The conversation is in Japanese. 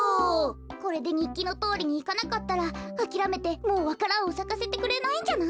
これでにっきのとおりにいかなかったらあきらめてもうわか蘭をさかせてくれないんじゃない？